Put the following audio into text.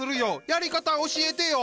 やり方教えてよ。